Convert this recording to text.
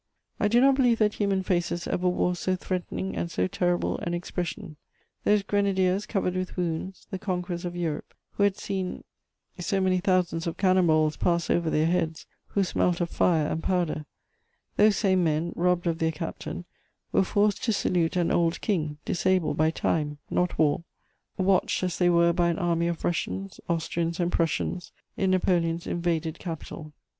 I do not believe that human faces ever wore so threatening and so terrible an expression. Those grenadiers, covered with wounds, the conquerors of Europe, who had seen so many thousands of cannon balls pass over their heads, who smelt of fire and powder; those same men, robbed of their captain, were forced to salute an old king, disabled by time, not war, watched as they were by an army of Russians, Austrians and Prussians, in Napoleon's invaded capital.